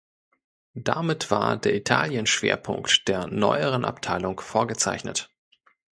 Damit war der Italien-Schwerpunkt der Neueren Abteilung vorgezeichnet.